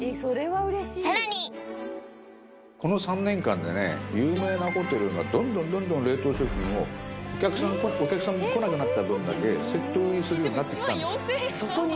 さらにこの３年間でね有名なホテルがどんどんどんどん冷凍食品をお客さんが来なくなった分だけセット売りするようになってきたんです